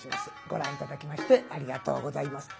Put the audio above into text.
ご覧頂きましてありがとうございます。